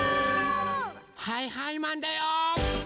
はいはいマンだよー！